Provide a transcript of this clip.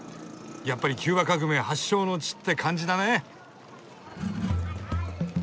やっぱり「キューバ革命発祥の地」って感じだね！